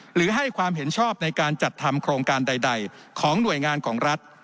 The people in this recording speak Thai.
หรือให้ความเห็นชอบในการจัดทำโครงการใดของหน่วยงานของรัฐ